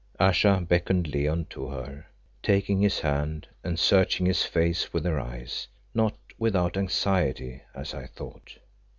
Ayesha beckoned Leo to her, taking his hand and searching his face with her eyes, not without anxiety as I thought.